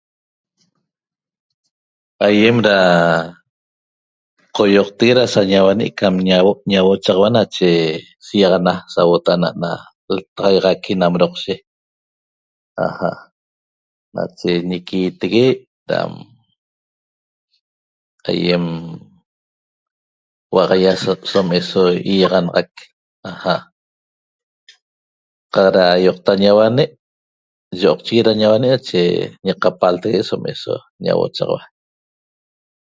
Aýem ra qoýoqtegue ra sa ñauane' cam ñauochaxaua nache seýaxana sauota'a ana'ana ltaxaýaxaqui nam doqshe 'aja' nache ñiquiitegue' dam aýem hua'axaia so som eso ýiaxanaxac 'aja' qaq ra ýoqta ñauane' yioqchigui ra ñauane' nache ñiqapaltague' som eso ñauochaxaua